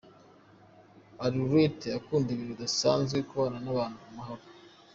Arlette akunda ibintu bidasanzwe, kubana n’abantu amahoro.